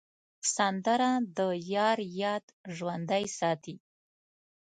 سندره د یار یاد ژوندی ساتي